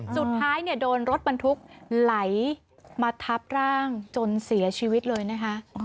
สุดท้ายโดนรถบรรทุกไหลมาทับร่างจนเสียชีวิตเลยนะคะ